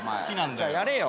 じゃあやれよ。